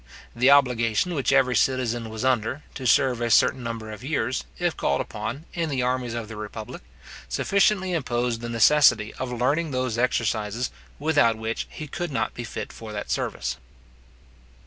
The obligation which every citizen was under, to serve a certain number of years, if called upon, in the armies of the republic, sufficiently imposed the necessity of learning those exercises, without which he could not be fit for that service.